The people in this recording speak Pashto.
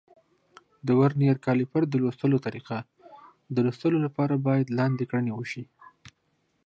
د ورنیر کالیپر د لوستلو طریقه: د لوستلو لپاره باید لاندې کړنې وشي.